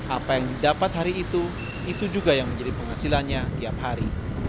apa yang didapat hari itu itu juga yang menjadi penghasilannya tiap hari